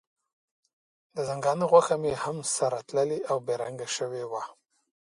د ځنګانه غوښه مې هم سره تللې او بې رنګه شوې وه.